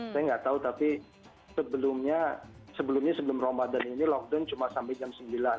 saya gak tahu tapi sebelumnya sebelumnya sebelum ramadhan ini lockdown cuma sampai jam sembilan